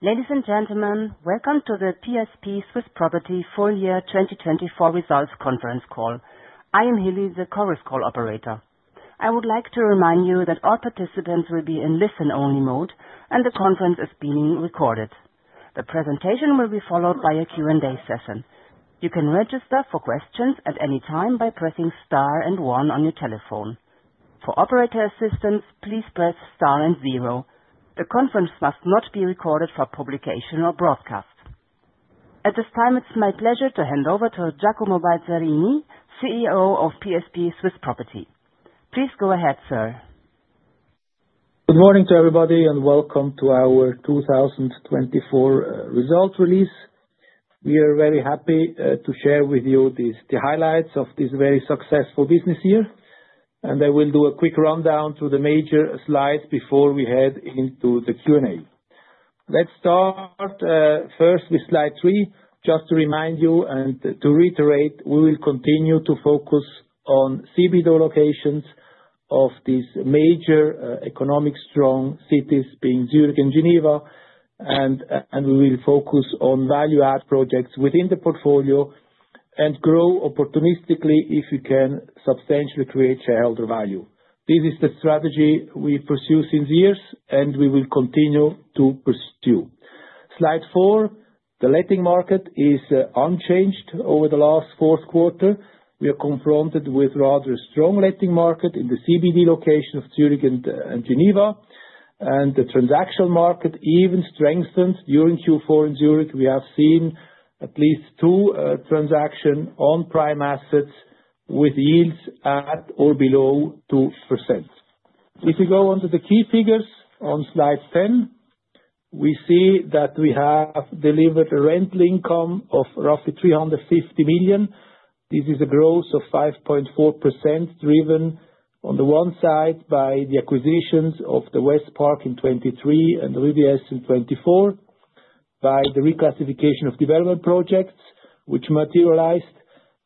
Ladies and gentlemen, welcome to the PSP Swiss Property Full Year 2024 Results Conference Call. I am Hilli, the Chorus Call Operator. I would like to remind you that all participants will be in listen-only mode and the conference is being recorded. The presentation will be followed by a Q&A session. You can register for questions at any time by pressing star and one on your telephone. For operator assistance, please press star and zero. The conference must not be recorded for publication or broadcast. At this time, it's my pleasure to hand over to Giacomo Balzarini, CEO of PSP Swiss Property. Please go ahead, sir. Good morning to everybody and welcome to our 2024 results release. We are very happy to share with you the highlights of this very successful business year, and I will do a quick rundown through the major slides before we head into the Q&A. Let's start first with slide three. Just to remind you and to reiterate, we will continue to focus on CBD locations of these major economically strong cities, being Zurich and Geneva, and we will focus on value-add projects within the portfolio and grow opportunistically if we can substantially create shareholder value. This is the strategy we pursue since years, and we will continue to pursue. Slide four, the letting market is unchanged over the last fourth quarter. We are confronted with a rather strong letting market in the CBD location of Zurich and Geneva, and the transactional market even strengthened during Q4 in Zurich. We have seen at least two transactions on prime assets with yields at or below 2%. If we go on to the key figures on slide 10, we see that we have delivered a rental income of roughly 350 million. This is a growth of 5.4%, driven on the one side by the acquisitions of the Westpark in 2023 and the Rue de l'Est in 2024, by the reclassification of development projects which materialized,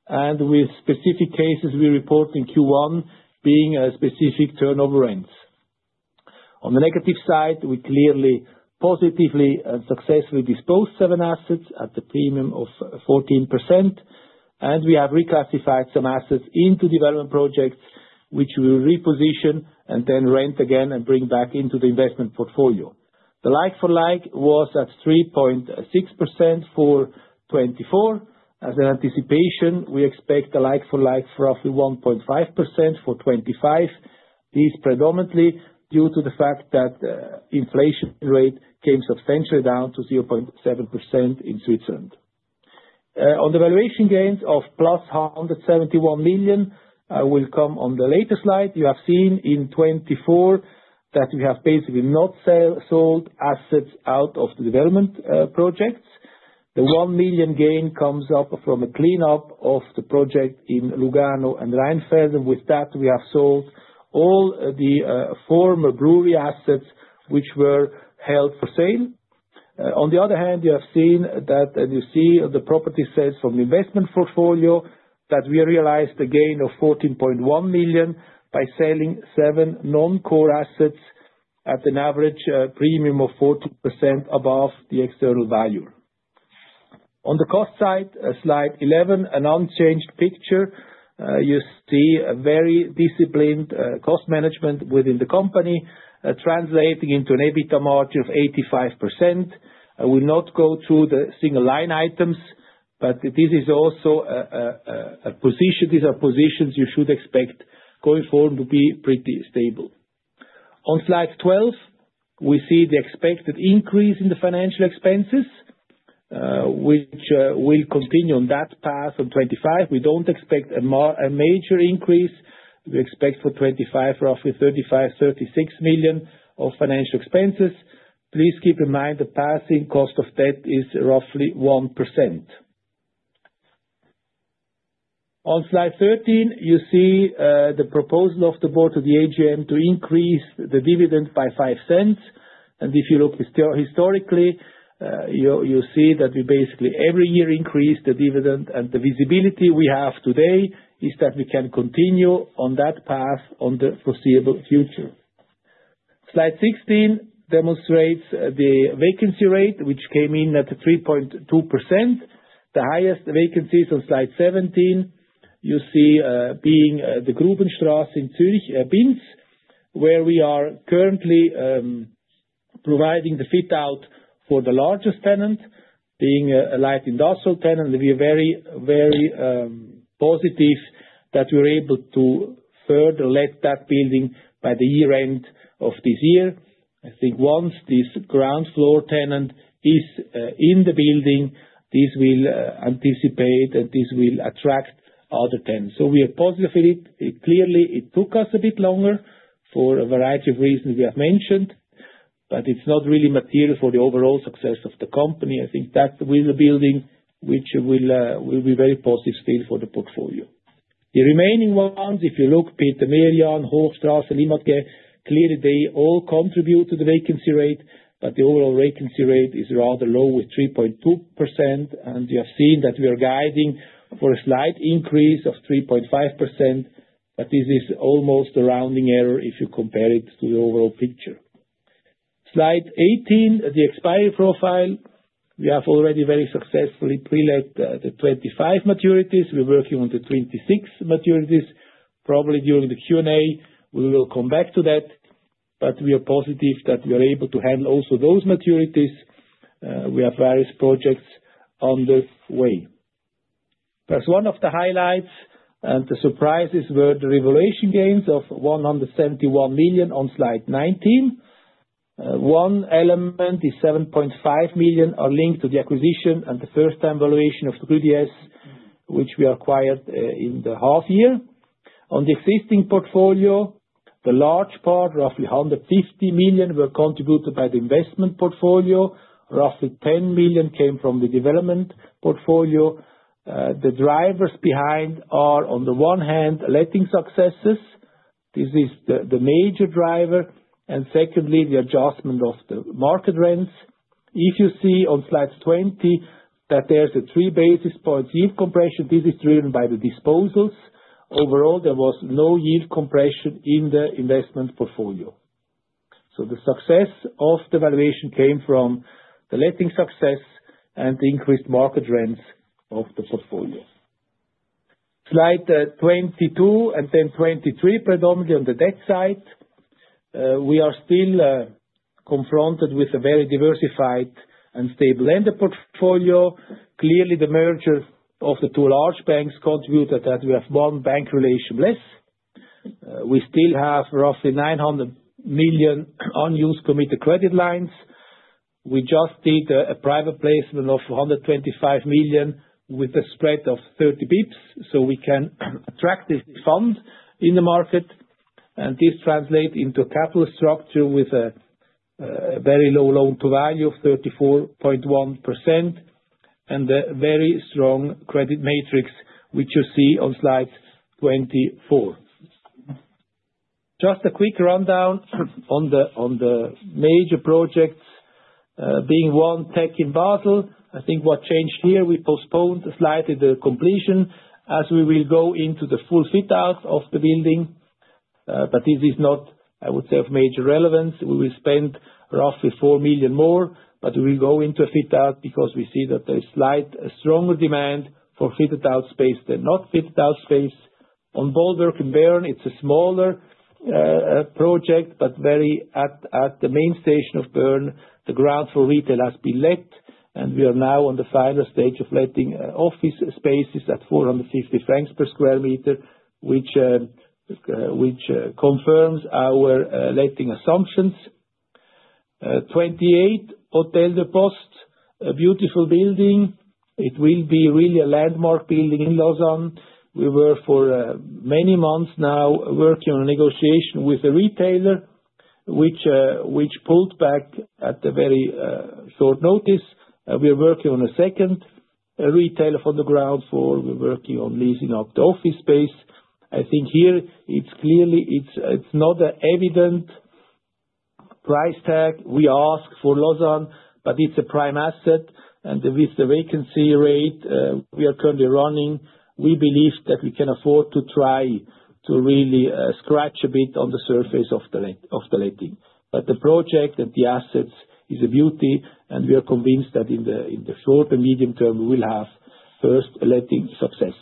and with specific cases we report in Q1 being specific turnover rents. On the negative side, we clearly positively and successfully disposed of seven assets at the premium of 14%, and we have reclassified some assets into development projects which we will reposition and then rent again and bring back into the investment portfolio. The like-for-like was at 3.6% for 2024. As an anticipation, we expect a like-for-like for roughly 1.5% for 2025. This is predominantly due to the fact that the inflation rate came substantially down to 0.7% in Switzerland. On the valuation gains of +171 million, I will come on the later slide. You have seen in 2024 that we have basically not sold assets out of the development projects. The 1 million gain comes up from a clean-up of the project in Lugano and Rheinfelden. With that, we have sold all the former brewery assets which were held for sale. On the other hand, you have seen that, and you see the property sales from the investment portfolio, that we realized a gain of 14.1 million by selling seven non-core assets at an average premium of 14% above the external value. On the cost side, slide 11, an unchanged picture. You see a very disciplined cost management within the company, translating into an EBITDA margin of 85%. I will not go through the single line items, but this is also a position. These are positions you should expect going forward to be pretty stable. On slide 12, we see the expected increase in the financial expenses, which will continue on that path in 2025. We don't expect a major increase. We expect for 2025 roughly 35-36 million of financial expenses. Please keep in mind the passing cost of debt is roughly 1%. On slide 13, you see the proposal of the board to the AGM to increase the dividend by 0.05. And if you look historically, you see that we basically every year increase the dividend, and the visibility we have today is that we can continue on that path in the foreseeable future. Slide 16 demonstrates the vacancy rate, which came in at 3.2%. The highest vacancies on slide 17, you see being the Grubenstrasse in Zurich, Binz, where we are currently providing the fit-out for the largest tenant, being a light industrial tenant. We are very, very positive that we were able to further let that building by the year-end of this year. I think once this ground floor tenant is in the building, this will anticipate, and this will attract other tenants. So we are positive for it. Clearly, it took us a bit longer for a variety of reasons we have mentioned, but it's not really material for the overall success of the company. I think that will be a building which will be very positive still for the portfolio. The remaining ones, if you look, Peter Merian, Hochstrasse, Clime, clearly they all contribute to the vacancy rate, but the overall vacancy rate is rather low with 3.2%. You have seen that we are guiding for a slight increase of 3.5%, but this is almost a rounding error if you compare it to the overall picture. Slide 18, the expiry profile. We have already very successfully pre-let the 25 maturities. We're working on the 26 maturities. Probably during the Q&A, we will come back to that, but we are positive that we are able to handle also those maturities. We have various projects on the way. That's one of the highlights, and the surprises were the revaluation gains of 171 million on slide 19. One element is 7.5 million are linked to the acquisition and the first-time valuation of the Rue de l'Est, which we acquired in the half year. On the existing portfolio, the large part, roughly 150 million, were contributed by the investment portfolio. Roughly 10 million came from the development portfolio. The drivers behind are, on the one hand, letting successes. This is the major driver, and secondly, the adjustment of the market rents. If you see on slide 20 that there's a three basis points yield compression, this is driven by the disposals. Overall, there was no yield compression in the investment portfolio, so the success of the valuation came from the letting success and the increased market rents of the portfolio. Slide 22 and then 23, predominantly on the debt side. We are still confronted with a very diversified and stable lender portfolio. Clearly, the merger of the two large banks contributed that we have one bank relation less. We still have roughly 900 million unused committed credit lines. We just did a private placement of 125 million with a spread of 30 basis points, so we can attract this fund in the market. This translates into a capital structure with a very low loan-to-value of 34.1% and a very strong credit matrix, which you see on slide 24. Just a quick rundown on the major projects, being Clime in Basel. I think what changed here, we postponed slightly the completion as we will go into the full fit-out of the building. But this is not, I would say, of major relevance. We will spend roughly 4 million more, but we will go into a fit-out because we see that there is slightly stronger demand for fitted-out space than not fitted-out space. On Bollwerk in Bern, it's a smaller project, but very at the main station of Bern, the ground for retail has been let, and we are now on the final stage of letting office spaces at 450 francs per square meter, which confirms our letting assumptions. 28, Hôtel de la Poste, a beautiful building. It will be really a landmark building in Lausanne. We were for many months now working on a negotiation with a retailer, which pulled back at a very short notice. We are working on a second retailer for the ground floor. We're working on leasing out the office space. I think here it's clearly, it's not an evident price tag. We ask for Lausanne, but it's a prime asset. And with the vacancy rate we are currently running, we believe that we can afford to try to really scratch a bit on the surface of the letting. But the project and the assets is a beauty, and we are convinced that in the short and medium term, we will have first letting successes.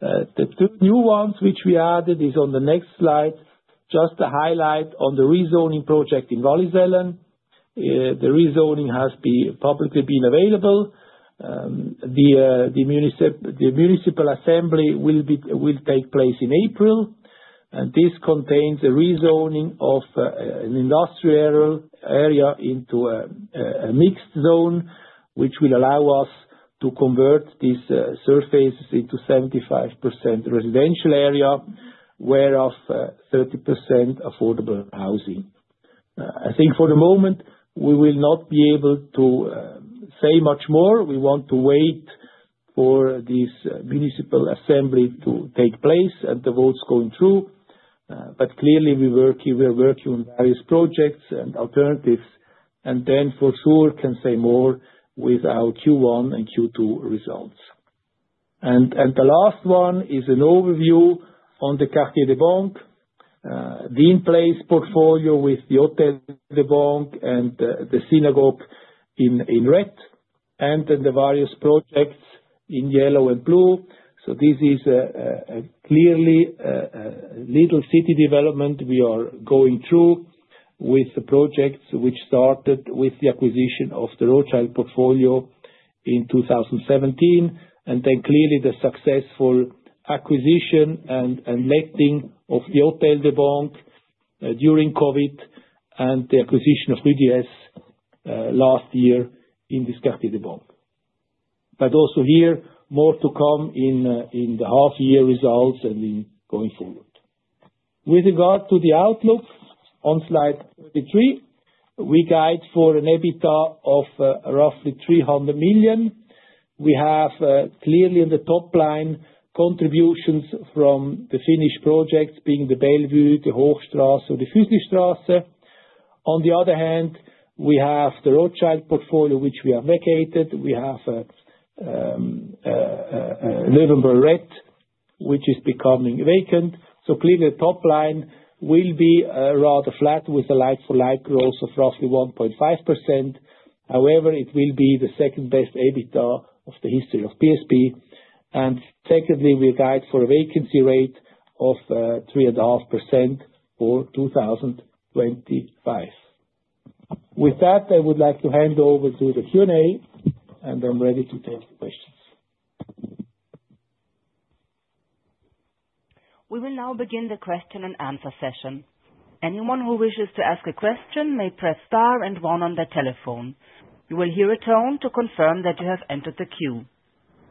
The two new ones which we added are on the next slide. Just a highlight on the rezoning project in Wallisellen. The rezoning has publicly been available. The municipal assembly will take place in April, and this contains a rezoning of an industrial area into a mixed zone, which will allow us to convert these surfaces into 75% residential area, whereof 30% affordable housing. I think for the moment, we will not be able to say much more. We want to wait for this municipal assembly to take place and the votes going through. But clearly, we are working on various projects and alternatives, and then for sure can say more with our Q1 and Q2 results. And the last one is an overview on the Quartier des Banques, the in-place portfolio with the Hôtel de Banque and the Synagogue in red, and then the various projects in yellow and blue. This is clearly a little city development we are going through with the projects which started with the acquisition of the Rothschild portfolio in 2017, and then clearly the successful acquisition and letting of the Hôtel de Banque during COVID and the acquisition of Rue de I'Est last year in this Quartier des Banques. But also here, more to come in the half-year results and in going forward. With regard to the outlook, on slide 23, we guide for an EBITDA of roughly 300 million. We have clearly in the top line contributions from the finished projects being the Bellevue, the Hochstrasse, or the Füsslistrasse. On the other hand, we have the Rothschild portfolio, which we have vacated. We have Löwenbräu, which is becoming vacant. So clearly, the top line will be rather flat with a like-for-like growth of roughly 1.5%. However, it will be the second best EBITDA of the history of PSP. And secondly, we guide for a vacancy rate of 3.5% for 2025. With that, I would like to hand over to the Q&A, and I'm ready to take questions. We will now begin the question and answer session. Anyone who wishes to ask a question may press star and one on their telephone. You will hear a tone to confirm that you have entered the queue.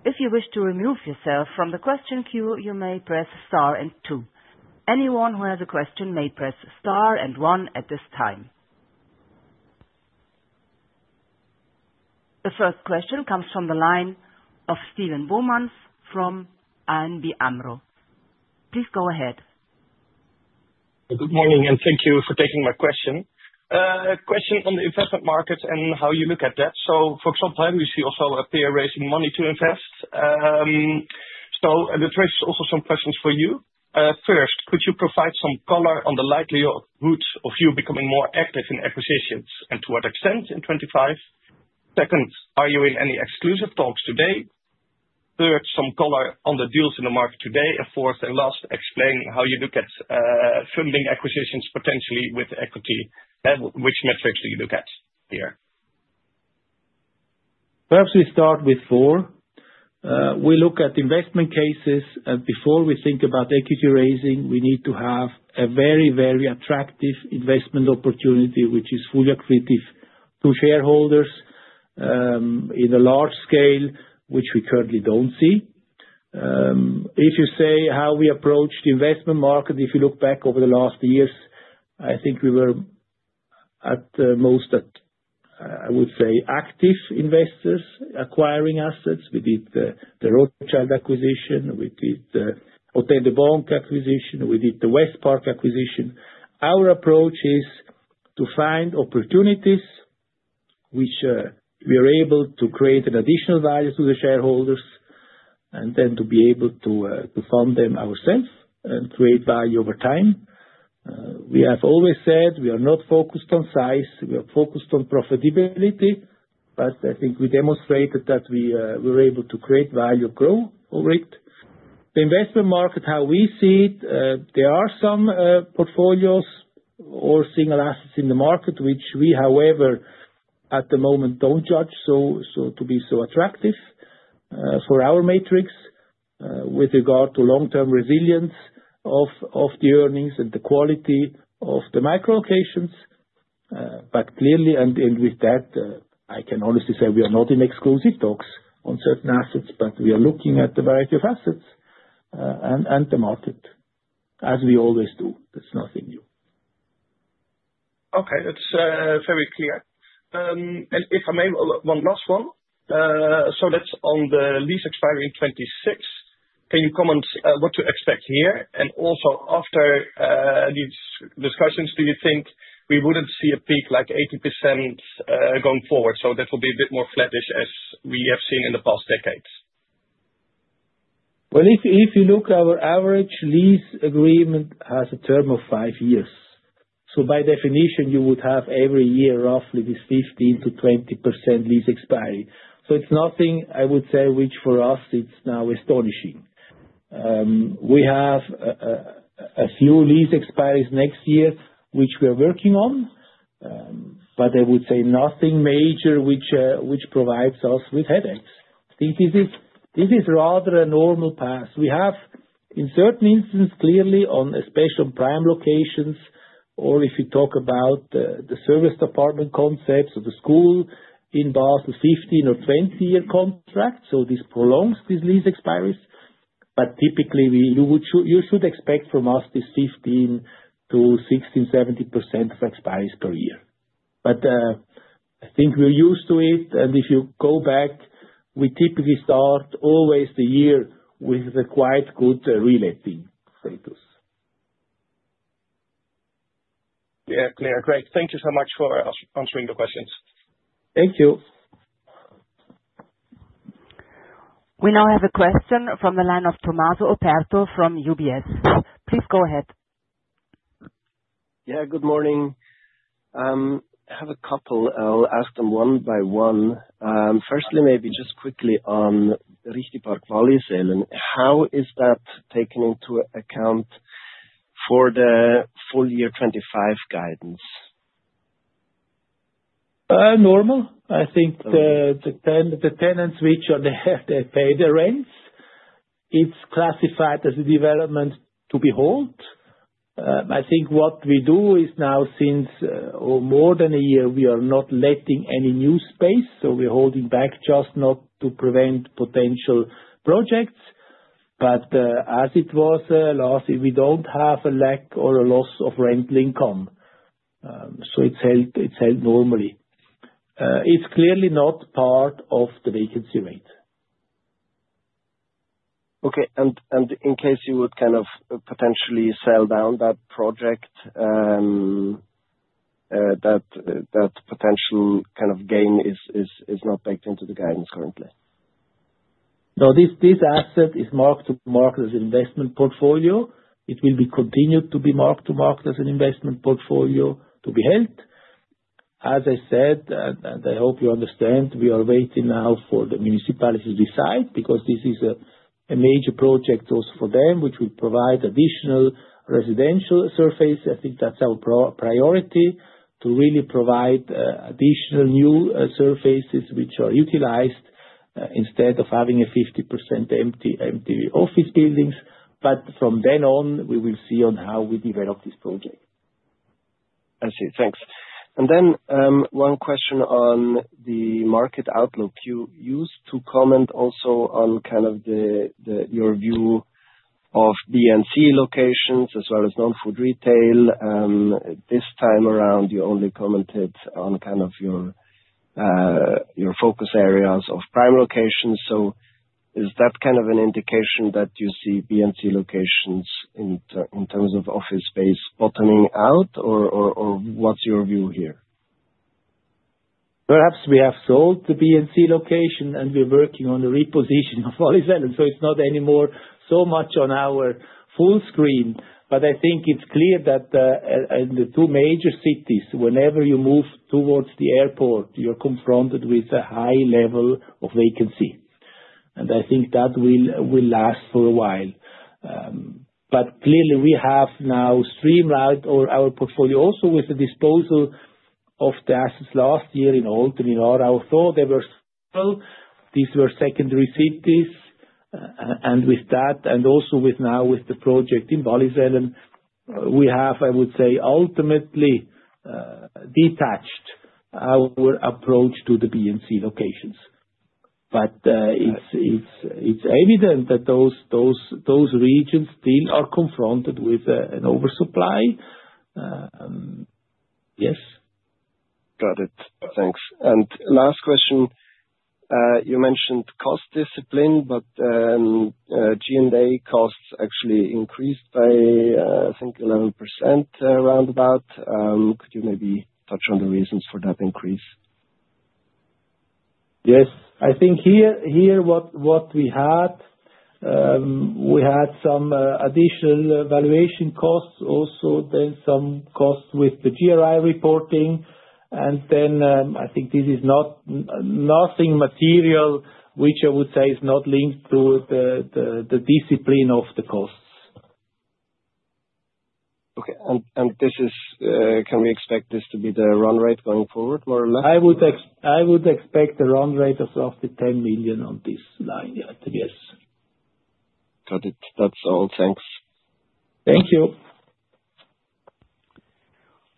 If you wish to remove yourself from the question queue, you may press star and two. Anyone who has a question may press star and one at this time. The first question comes from the line of Steven Bouwmans from ABN AMRO. Please go ahead. Good morning, and thank you for taking my question. Question on the investment markets and how you look at that. For example, I see also a peer raising money to invest. So I would raise also some questions for you. First, could you provide some color on the likelihood of you becoming more active in acquisitions and to what extent in 2025? Second, are you in any exclusive talks today? Third, some color on the deals in the market today? And fourth and last, explain how you look at funding acquisitions potentially with equity. Which metrics do you look at here? Perhaps we start with four. We look at investment cases, and before we think about equity raising, we need to have a very, very attractive investment opportunity, which is fully accretive to shareholders in a large scale, which we currently don't see. If you say how we approached the investment market, if you look back over the last years, I think we were at most, I would say, active investors acquiring assets. We did the Rothschild acquisition. We did the Hôtel de Banque acquisition. We did the West Park acquisition. Our approach is to find opportunities which we are able to create an additional value to the shareholders and then to be able to fund them ourselves and create value over time. We have always said we are not focused on size. We are focused on profitability. But I think we demonstrated that we were able to create value, grow over it. The investment market, how we see it, there are some portfolios or single assets in the market which we, however, at the moment don't judge to be so attractive for our matrix with regard to long-term resilience of the earnings and the quality of the micro-locations, but clearly, and with that, I can honestly say we are not in exclusive talks on certain assets, but we are looking at the variety of assets and the market, as we always do. That's nothing new. Okay, that's very clear, and if I may, one last one, so that's on the lease expiring 2026. Can you comment what to expect here? And also after these discussions, do you think we wouldn't see a peak like 80% going forward, so that will be a bit more flattish as we have seen in the past decades. If you look, our average lease agreement has a term of five years. By definition, you would have every year roughly this 15%-20% lease expiry. It's nothing, I would say, which for us, it's now astonishing. We have a few lease expiries next year, which we are working on, but I would say nothing major which provides us with headaches. I think this is rather a normal path. We have, in certain instances, clearly especially on prime locations, or if you talk about the serviced apartment concepts of the Stücki in Basel, 15- or 20-year contract. This prolongs these lease expiries. Typically, you should expect from us this 15%-16.70% of expiries per year. I think we're used to it. If you go back, we typically start always the year with a quite good reletting status. Yeah, clear. Great. Thank you so much for answering the questions. Thank you. We now have a question from the line of Tommaso Operto from UBS. Please go ahead. Yeah, good morning. I have a couple. I'll ask them one by one. Firstly, maybe just quickly on the Richtipark Wallisellen. How is that taken into account for the full year 2025 guidance? Normal. I think the tenants which are there, they pay their rents. It's classified as a development to be held. I think what we do is now, since more than a year, we are not letting any new space. So we're holding back just not to prevent potential projects. But as it was last year, we don't have a lack or a loss of rental income. So it's held normally. It's clearly not part of the vacancy rate. Okay. And in case you would kind of potentially sell down that project, that potential kind of gain is not baked into the guidance currently? No, this asset is mark-to-market as an investment portfolio. It will be continued to be mark-to-market as an investment portfolio to be held. As I said, and I hope you understand, we are waiting now for the municipalities to decide because this is a major project also for them, which will provide additional residential surface. I think that's our priority to really provide additional new surfaces which are utilized instead of having 50%-empty office buildings. But from then on, we will see on how we develop this project. I see. Thanks. And then one question on the market outlook. You used to comment also on kind of your view of non-CBD locations as well as non-food retail. This time around, you only commented on kind of your focus areas of prime locations. So is that kind of an indication that you see non-prime locations in terms of office space bottoming out, or what's your view here? Perhaps we have sold the non-prime location, and we're working on the reposition of Wallisellen. So it's not anymore so much on our full screen. But I think it's clear that in the two major cities, whenever you move towards the airport, you're confronted with a high level of vacancy. And I think that will last for a while. But clearly, we have now streamlined our portfolio also with the disposal of the assets last year in Olten. In Olten, there were several. These were secondary cities. And with that, and also now with the project in Wallisellen, we have, I would say, ultimately detached our approach to the B and C locations. But it's evident that those regions still are confronted with an oversupply. Yes. Got it. Thanks. And last question. You mentioned cost discipline, but G&A costs actually increased by, I think, 11% roundabout. Could you maybe touch on the reasons for that increase? Yes. I think here what we had, we had some additional valuation costs, also then some costs with the GRI reporting. And then I think this is nothing material, which I would say is not linked to the discipline of the costs. Okay. And can we expect this to be the run rate going forward, more or less? I would expect the run rate of roughly 10 million on this line. Yes. Got it. That's all. Thanks. Thank you.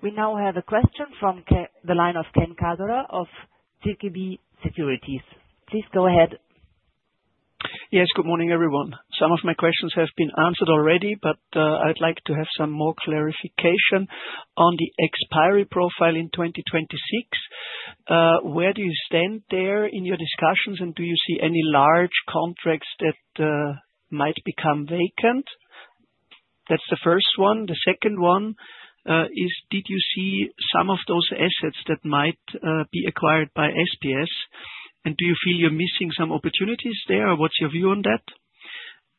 We now have a question from the line of Ken Kagerer of ZKB. Please go ahead. Yes, good morning, everyone. Some of my questions have been answered already, but I'd like to have some more clarification on the expiry profile in 2026. Where do you stand there in your discussions, and do you see any large contracts that might become vacant? That's the first one. The second one is, did you see some of those assets that might be acquired by SPS? And do you feel you're missing some opportunities there, or what's your view on that?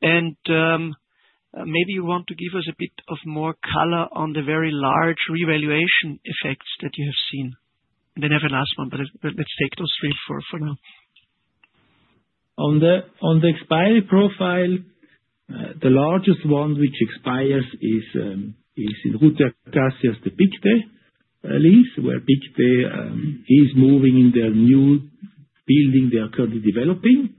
And maybe you want to give us a bit of more color on the very large revaluation effects that you have seen. And then I have a last one, but let's take those three for now. On the expiry profile, the largest one which expires is in the Rue de la Caserne Pictet lease, where Pictet is moving in their new building they are currently developing.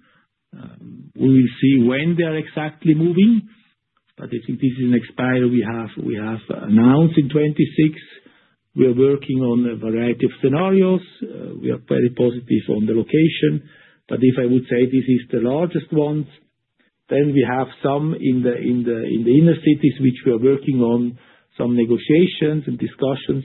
We will see when they are exactly moving, but I think this is an expiry we have announced in 2026. We are working on a variety of scenarios. We are very positive on the location, but if I would say this is the largest one, then we have some in the inner cities which we are working on some negotiations and discussions,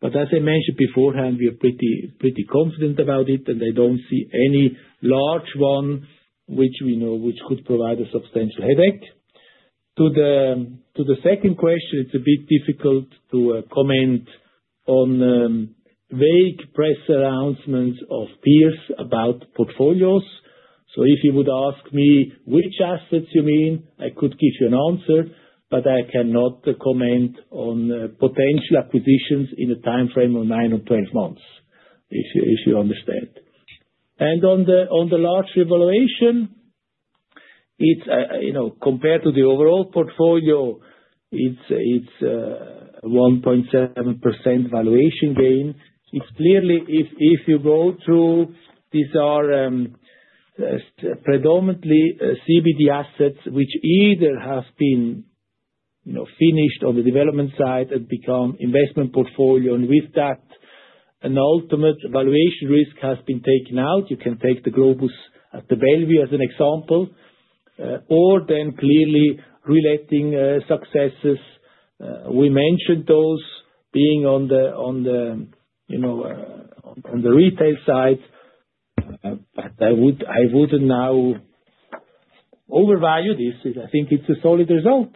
but as I mentioned beforehand, we are pretty confident about it, and I don't see any large one which we know which could provide a substantial headache. To the second question, it's a bit difficult to comment on vague press announcements of peers about portfolios. So if you would ask me which assets you mean, I could give you an answer, but I cannot comment on potential acquisitions in a timeframe of nine or 12 months, if you understand. And on the large revaluation, compared to the overall portfolio, it's a 1.7% valuation gain. It's clearly, if you go through, these are predominantly CBD assets which either have been finished on the development side and become investment portfolio. And with that, an ultimate valuation risk has been taken out. You can take the Globus at the Bellevue as an example, or then clearly reletting successes. We mentioned those being on the retail side. But I wouldn't now overvalue this. I think it's a solid result.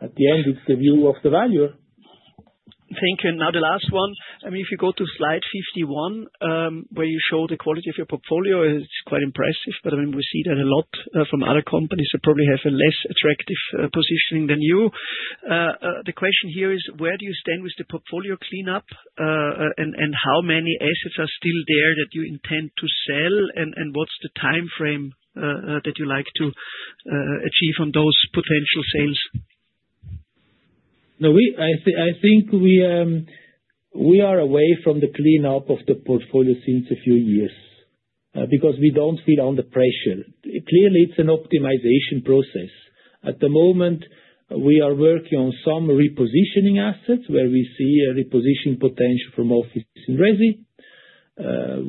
At the end, it's the view of the value. Thank you. Now, the last one. I mean, if you go to slide 51, where you show the quality of your portfolio, it's quite impressive. But I mean, we see that a lot from other companies that probably have a less attractive positioning than you. The question here is, where do you stand with the portfolio cleanup, and how many assets are still there that you intend to sell, and what's the timeframe that you like to achieve on those potential sales? No, I think we are away from the cleanup of the portfolio since a few years because we don't feel under pressure. Clearly, it's an optimization process. At the moment, we are working on some repositioning assets where we see a repositioning potential from offices to resi.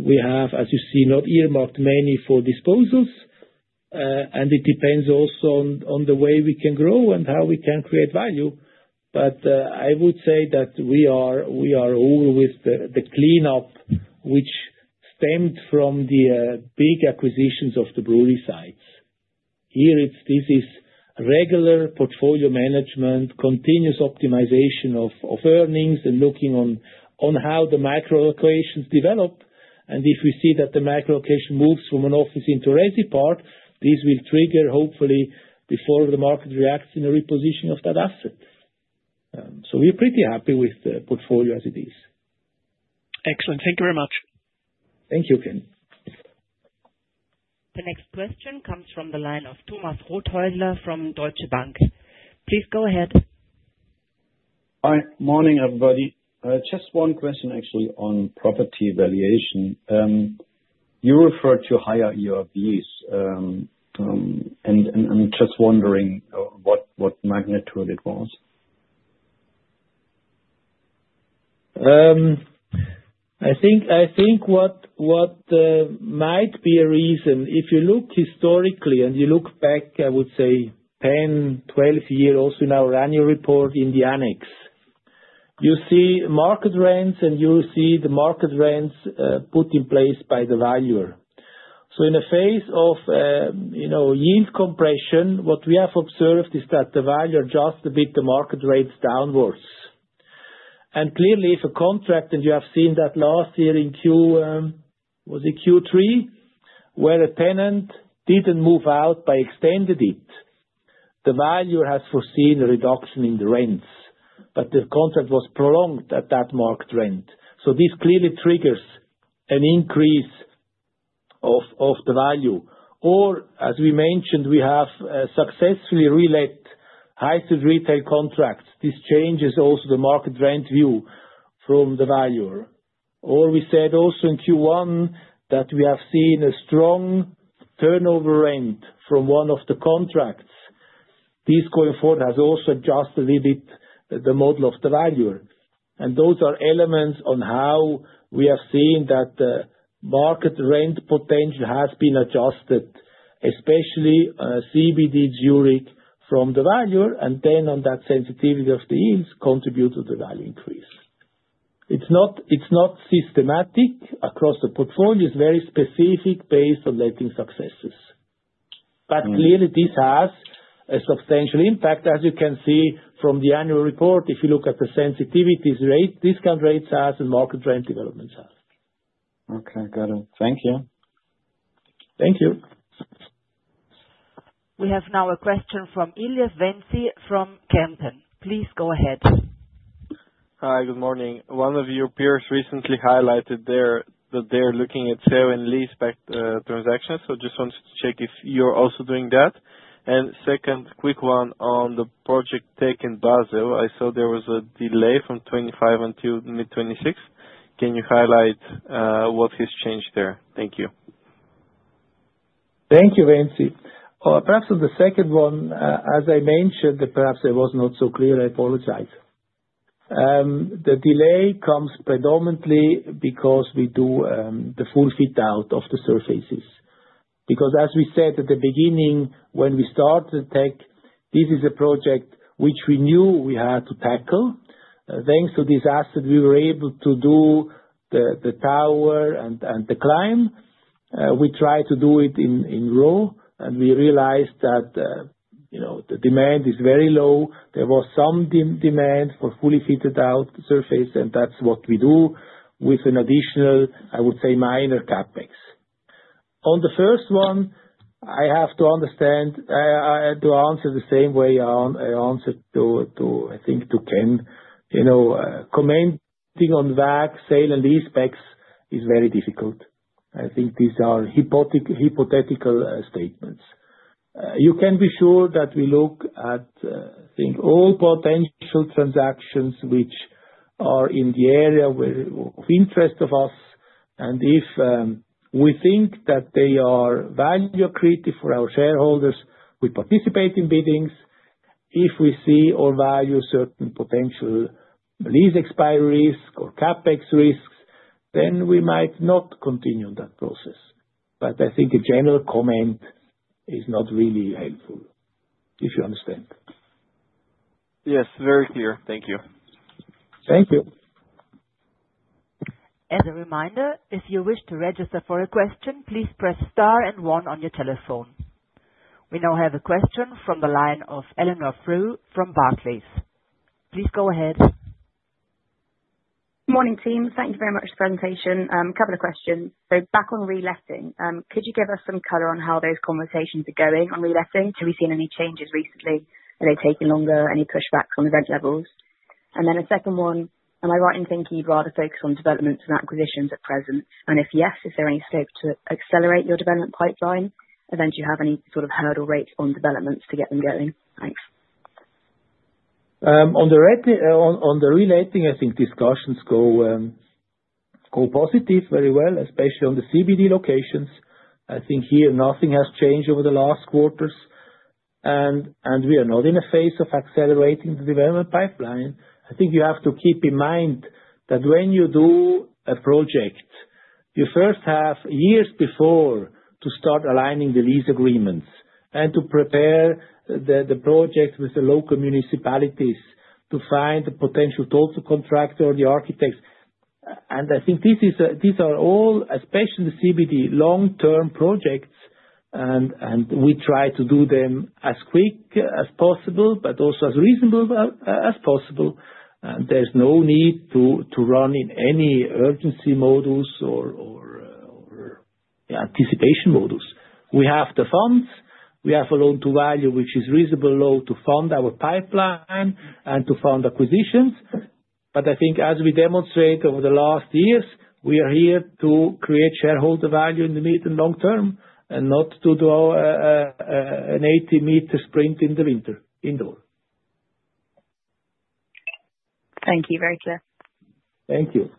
We have, as you see, not earmarked many for disposals. And it depends also on the way we can grow and how we can create value. But I would say that we are all with the cleanup, which stemmed from the big acquisitions of the brewery sites. Here, this is regular portfolio management, continuous optimization of earnings, and looking on how the micro-locations develop. And if we see that the micro-location moves from an office into a Resi part, this will trigger, hopefully, before the market reacts in a repositioning of that asset. So we're pretty happy with the portfolio as it is. Excellent. Thank you very much. Thank you, Ken. The next question comes from the line of Thomas Rothäusler from Deutsche Bank. Please go ahead. Hi. Morning, everybody. Just one question, actually, on property valuation. You referred to higher ERVs, and I'm just wondering what magnitude it was. I think what might be a reason, if you look historically and you look back, I would say 10, 12 years, also in our annual report in the annex, you see market rents, and you see the market rents put in place by the valuer. So in a phase of yield compression, what we have observed is that the value adjusts a bit the market rates downwards. And clearly, if a contract, and you have seen that last year in Q3, where a tenant didn't move out but extended it, the value has foreseen a reduction in the rents. But the contract was prolonged at that market rent. So this clearly triggers an increase of the value. Or, as we mentioned, we have successfully relet high-street retail contracts. This changes also the market rent view from the valuer. Or we said also in Q1 that we have seen a strong turnover rent from one of the contracts. This going forward has also adjusted a little bit the model of the valuer. And those are elements on how we have seen that the market rent potential has been adjusted, especially in CBDs deriving from the value, and then on that sensitivity of the yields contribute to the value increase. It's not systematic across the portfolio. It's very specific based on letting successes. But clearly, this has a substantial impact, as you can see from the annual report, if you look at the sensitivities, rates, discount rates, and market rent developments. Okay. Got it. Thank you. Thank you. We have now a question from Ventsi Iliev from Kempen. Please go ahead. Hi. Good morning. One of your peers recently highlighted there that they're looking at sale and leaseback transactions. So I just wanted to check if you're also doing that. And second, quick one on the project in Basel. I saw there was a delay from 2025 until mid-2026. Can you highlight what has changed there? Thank you. Thank you, Ventsi. Perhaps on the second one, as I mentioned, perhaps it was not so clear. I apologize. The delay comes predominantly because we do the full fit-out of the surfaces. Because, as we said at the beginning, when we started the tech, this is a project which we knew we had to tackle. Thanks to this asset, we were able to do the tower and the Clime. We tried to do it in raw, and we realized that the demand is very low. There was some demand for fully fitted out surface, and that's what we do with an additional, I would say, minor CapEx. On the first one, I have to understand, to answer the same way I answered, I think, to Ken, commenting on VAC, sale and leaseback is very difficult. I think these are hypothetical statements. You can be sure that we look at, I think, all potential transactions which are in the area of interest of us. And if we think that they are value-accretive for our shareholders, we participate in biddings. If we see or value certain potential lease expiry risk or CapEx risks, then we might not continue in that process. But I think a general comment is not really helpful, if you understand. Yes. Very clear. Thank you. Thank you. As a reminder, if you wish to register for a question, please press star and one on your telephone. We now have a question from the line of Eleanor Frew from Barclays. Please go ahead. Morning, team. Thank you very much for the presentation. A couple of questions. So back on reletting, could you give us some color on how those conversations are going on reletting? Have we seen any changes recently? Are they taking longer? Any pushback on event levels? And then a second one, am I right in thinking you'd rather focus on developments and acquisitions at present? And if yes, is there any scope to accelerate your development pipeline? And then do you have any sort of hurdle rates on developments to get them going? Thanks. On the reletting, I think discussions go positive very well, especially on the CBD locations. I think here nothing has changed over the last quarters. And we are not in a phase of accelerating the development pipeline. I think you have to keep in mind that when you do a project, you first have years before to start aligning the lease agreements and to prepare the project with the local municipalities to find the potential total contractor or the architects. And I think these are all, especially the CBD, long-term projects. And we try to do them as quick as possible, but also as reasonable as possible. And there's no need to run in any urgency modes or anticipation modes. We have the funds. We have a loan-to-value, which is reasonable low to fund our pipeline and to fund acquisitions. But I think as we demonstrate over the last years, we are here to create shareholder value in the mid and long term and not to do an 80-meter sprint in the winter indoor. Thank you, Giacamo. Thank you.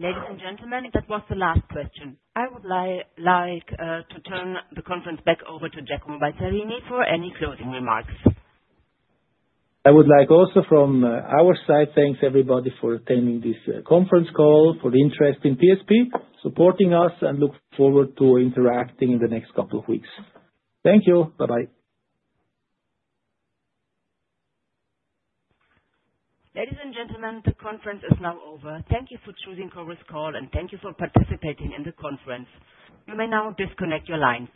Ladies and gentlemen, that was the last question. I would like to turn the conference back over to Giacomo Balzarini for any closing remarks. I would like also from our side, thanks everybody for attending this conference call, for the interest in PSP supporting us, and look forward to interacting in the next couple of weeks. Thank you. Bye-bye. Ladies and gentlemen, the conference is now over. Thank you for choosing Chorus Call, and thank you for participating in the conference. You may now disconnect your lines.